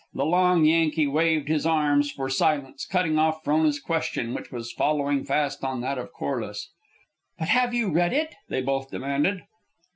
The long Yankee waved his arms for silence, cutting off Frona's question which was following fast on that of Corliss. "But have you read it?" they both demanded.